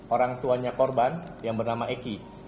orang tuanya korban yang bernama eki